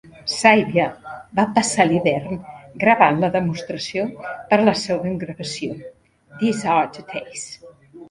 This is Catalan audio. Saybia va passar l'hivern gravant la demostració per a la següent gravació "These are the days".